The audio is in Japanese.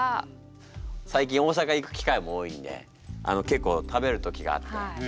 最近大阪行く機会も多いんで結構食べる時があって。